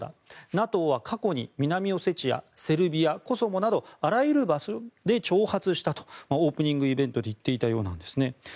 ＮＡＴＯは過去に南オセチアセルビア、コソボなどあらゆる場所で挑発したとオープニングイベントで言っていたようなんです。